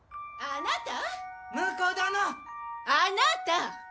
あなた！